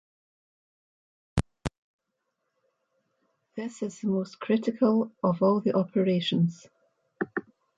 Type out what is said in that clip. This is the most critical of all the operations.